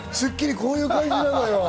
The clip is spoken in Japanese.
こういう感じなのよ。